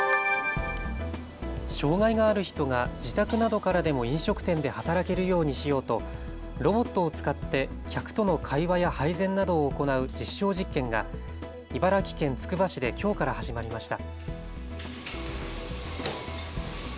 障害がある人が自宅などからでも飲食店で働けるようにしようとロボットを使って客との会話や配膳などを行う実証実験が茨城県つくば市できょうから始まりました。